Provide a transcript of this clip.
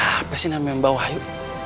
ada apa sih namanya mbak wahyu